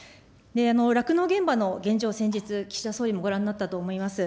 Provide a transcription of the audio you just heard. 酪農現場の現状、先日、岸田総理もご覧になったと思います。